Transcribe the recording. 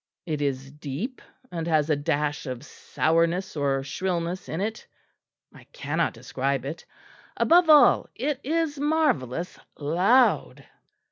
"It is deep, and has a dash of sourness or shrillness in it. I cannot describe it. Above all, it is marvellous loud."